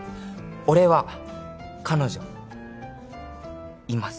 俺は彼女います。